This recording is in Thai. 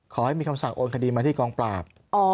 ขอให้มีคำสั่งโอนคดีมาที่กองปราบ